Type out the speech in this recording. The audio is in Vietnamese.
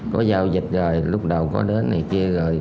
có giao dịch rồi lúc đầu có đến này kia rồi